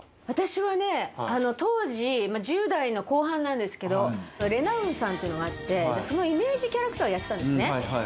私はね当時１０代の後半なんですけどレナウンさんっていうのがあってそのイメージキャラクターをやってたんですね。